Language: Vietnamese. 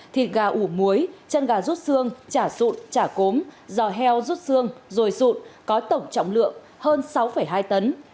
thịt gà ủ muối chân gà rút xương chả sụn chả cốm giò heo rút xương rồi sụn có tổng trọng lượng hơn sáu hai tấn